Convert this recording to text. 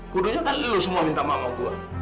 kudunya tadi lu semua minta maaf sama gua